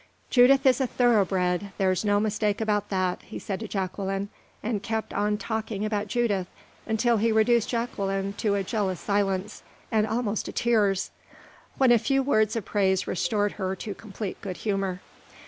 "Judith is a thoroughbred there's no mistake about that," he said to Jacqueline and kept on talking about Judith until he reduced Jacqueline to a jealous silence, and almost to tears when a few words of praise restored her to complete good humor.